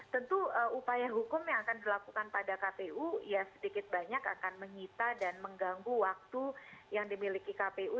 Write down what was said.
tentu upaya hukum yang akan dilakukan pada kpu ya sedikit banyak akan menyita dan mengganggu waktu yang dimiliki kpu